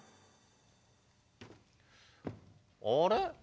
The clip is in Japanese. あれ？